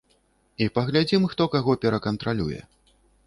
І паглядзім, хто каго перакантралюе.